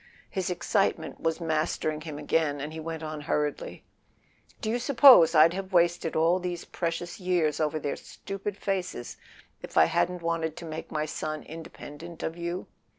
His excitement was mas¬ tering him again, and he went on hurriedly: "Do you suppose I'd have wasted all these precious years over their stupid faces if I hadn't wanted to make my son independent of you